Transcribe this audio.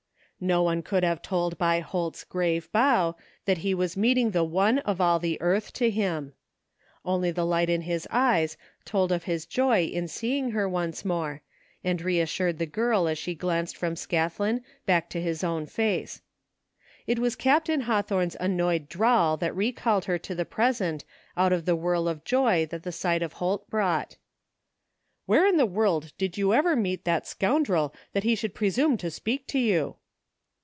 No one could have told by Holt's grave bow that he was meeting the one of all the earth to him. Only the light in his eyes told of his joy in seeing her once more, and reassured the girl as she glanced from Scathlin back to his own face. It was Captain Haw thorne's annoyed drawl that recalled her to the present out of the whirl of joy that the sight of Holt brought. 168 THE FINDmG OF JASPEE HOLT "Where in the world did you ever meet that scoundrel that he should presume to speak to you?"